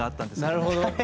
なるほど。